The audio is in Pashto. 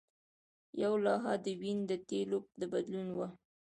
یوه لوحه د وین د تیلو د بدلون وه